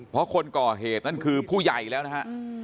เพราะคนก่อเหตุนั่นคือผู้ใหญ่แล้วนะฮะ